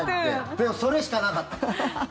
でもそれしかなかった。